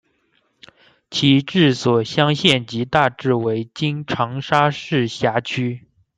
其治所湘县即大致为今长沙市辖区。